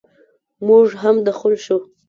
موږ هم دخول شوو.